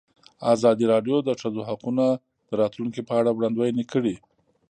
ازادي راډیو د د ښځو حقونه د راتلونکې په اړه وړاندوینې کړې.